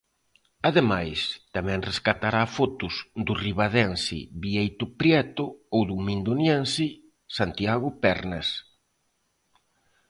Ademais tamén rescatará fotos do ribadense Bieito Prieto ou do mindoniense Santiago Pernas.